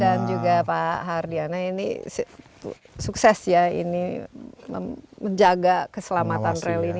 dan juga pak hardiana ini sukses ya ini menjaga keselamatan rally ini